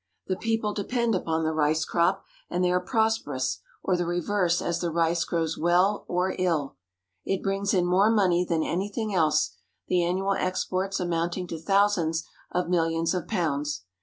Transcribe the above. The people depend upon the rice crop, and they are prosperous or the reverse as the rice grows well or ill. It brings in more money than anything else, the annual exports amount ing to thousands of millions of pounds.